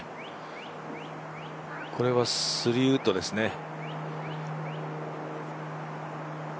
これはスリーウッドですね。